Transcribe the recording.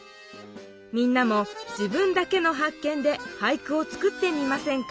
みんなも自分だけの発見で俳句をつくってみませんか？